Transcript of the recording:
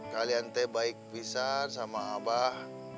kalian teh baik pisar sama abah